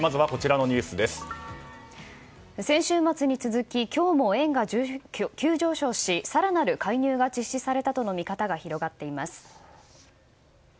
先週末に続き、今日も円が急上昇し、更なる介入が実施されたとの見方が広がっています。